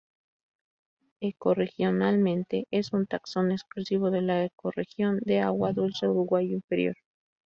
Ecorregionalmente es un taxón exclusivo de la ecorregión de agua dulce Uruguay inferior.